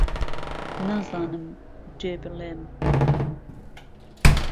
نازانم جێ بڵێم